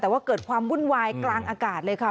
แต่ว่าเกิดความวุ่นวายกลางอากาศเลยค่ะ